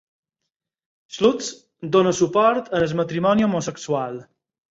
Schultz dóna suport al matrimoni homosexual.